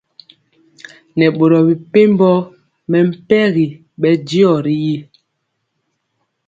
Nɛ boro mepempɔ mɛmpegi bɛndiɔ ri.